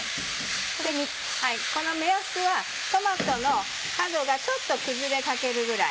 この目安はトマトの角がちょっと崩れかけるぐらい。